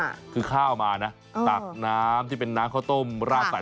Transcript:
คือข้าวมานะตักน้ำที่เป็นน้ำข้าวต้มราดใส่